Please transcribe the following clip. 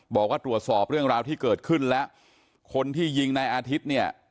บอกว่าตรวจสอบเรื่องราวที่เกิดขึ้นแล้วคนที่ยิงนายอาทิตย์เนี่ย